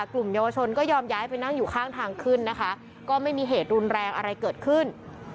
กลุ่มเยาวชนก็ยอมย้ายไปนั่งอยู่ข้างทางขึ้นนะคะก็ไม่มีเหตุรุนแรงอะไรเกิดขึ้น